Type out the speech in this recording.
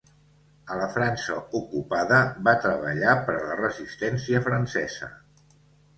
A la França ocupada, va treballar per a la Resistència francesa.